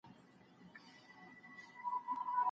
دروني ارامي په ژوند کي سکون راولي.